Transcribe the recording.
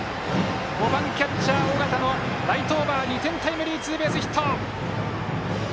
５番、キャッチャー、尾形のライトオーバー２点タイムリーツーベースヒット。